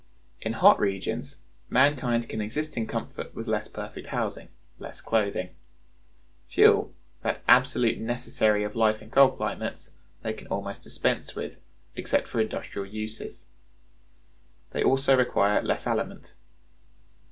In hot regions, mankind can exist in comfort with less perfect housing, less clothing; fuel, that absolute necessary of life in cold climates, they can almost dispense with, except for industrial uses. They also require less aliment.